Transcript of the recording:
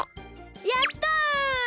やった！